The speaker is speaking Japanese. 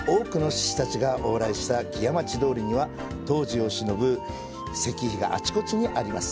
幕末、多くの志士たちが往来した木屋町通には当時をしのぶ石碑があちこちにあります。